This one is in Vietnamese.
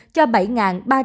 cho bảy ba trăm một mươi người